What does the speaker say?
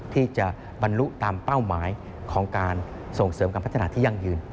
ที่จะบรรลุตามเป้าหมายของการส่งเสริมการพัฒนาที่ยั่งยืน